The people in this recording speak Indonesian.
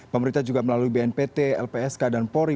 pemerintah juga melalui bnpt lpsk dan polri